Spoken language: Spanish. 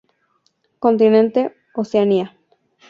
Continente: Oceanía.